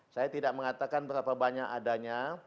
saya tidak mengatakan berapa banyak adanya